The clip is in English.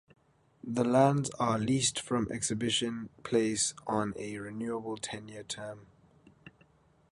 The lands are leased from Exhibition Place on a renewable ten-year term.